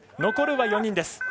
残るは４人。